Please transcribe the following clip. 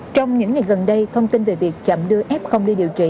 trong những ngày gần đây thông tin về việc chậm đưa f đi điều trị